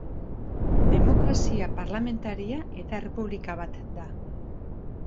Demokrazia Parlamentaria eta Errepublika bat da.